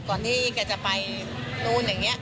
ก่อนที่แกจะไปนู้นอย่างเงี้ย